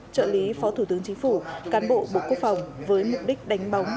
trợ lý phó thủ tướng chính phủ cán bộ bộ quốc phòng với mục đích đánh bóng